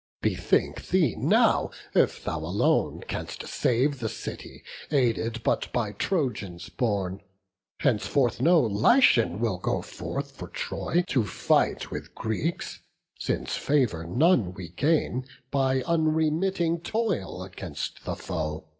Bethink thee now, if thou alone canst save The city, aided but by Trojans born; Henceforth no Lycian will go forth for Troy To fight with Greeks; since favour none we gain By unremitting toil against the foe.